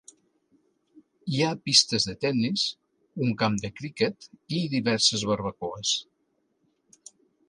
Hi ha pistes de tennis, un camp de criquet i diverses barbacoes.